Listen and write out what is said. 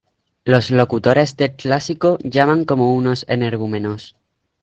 Los locutores del clásico llaman como unos energúmenos.